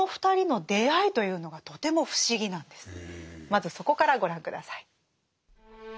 まずそこからご覧下さい。